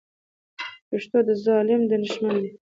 پښتون د ظالم دښمن دی.